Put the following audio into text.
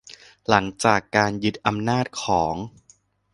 หลังจากการยึดอำนาจของ